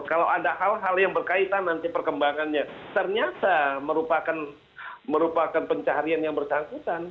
kalau ada hal hal yang berkaitan nanti perkembangannya ternyata merupakan pencarian yang bersangkutan